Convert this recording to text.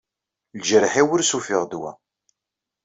Ljeṛḥ-iw ur as-ufiɣ ddwa.